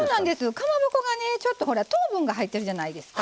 かまぼこがねちょっと糖分が入ってるじゃないですか。